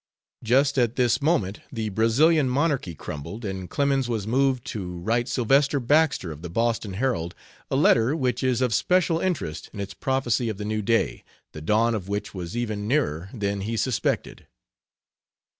Just at this moment the Brazilian monarchy crumbled, and Clemens was moved to write Sylvester Baxter, of the Boston Herald, a letter which is of special interest in its prophecy of the new day, the dawn of which was even nearer than he suspected.